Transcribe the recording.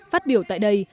phát biểu tại đây